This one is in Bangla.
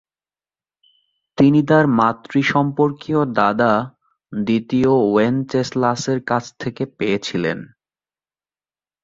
তিনি তার মাতৃ সম্পর্কীয় দাদা দ্বিতীয় ওয়েনচেসলাসের কাছ থেকে পেয়েছিলেন।